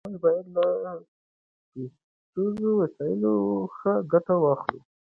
موږ بايد له پيسيزو وسايلو ښه ګټه واخلو.